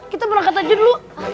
kita berangkat aja dulu